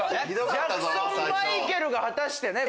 ジャクソン・マイケルが果たしてね。